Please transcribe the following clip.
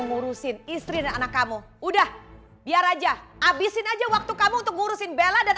ngurusin istri dan anak kamu udah biar aja abisin aja waktu kamu untuk ngurusin bela dan